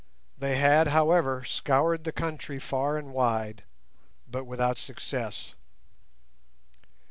They had, however, scoured the country far and wide, but without success.